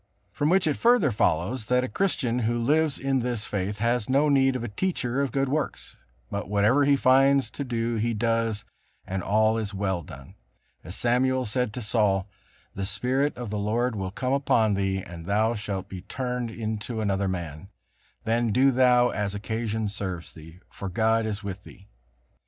From which it further follows that a Christian who lives in this faith has no need of a teacher of good works, but whatever he finds to do he does, and all is well done; as Samuel said to Saul: "The Spirit of the Lord will come upon thee, and thou shalt be turned into another man; then do thou as occasion serves thee; for God is with thee."